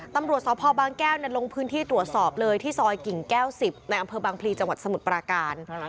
ตำรวจสพบางแก้วลงพื้นที่ตรวจสอบเลยที่ซอยกิ่งแก้ว๑๐ในอำเภอบางพลีจังหวัดสมุทรปราการ